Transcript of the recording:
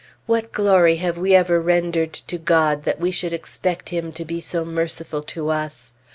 What glory have we ever rendered to God that we should expect him to be so merciful to us?